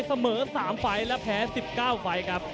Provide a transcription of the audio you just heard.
เสมอ๓ไฟล์และแพ้๑๙ไฟล์ครับ